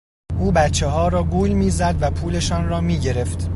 او بچهها را گول میزد و پولشان را میگرفت.